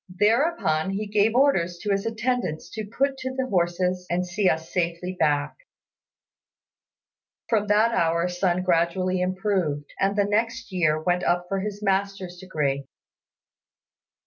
Thereupon he gave orders to his attendants to put to the horses and see us safely back." From that hour Sun gradually improved, and the next year went up for his master's degree.